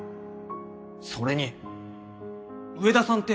それに上田さんって。